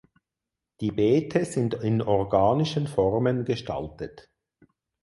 Die Beete sind in organischen Formen gestaltet.